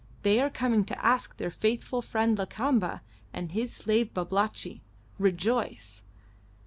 They are coming to ask their faithful friend Lakamba and his slave Babalatchi. Rejoice!"